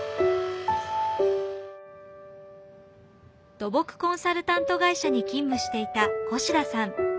土木コンサルタント会社に勤務していた越田さん。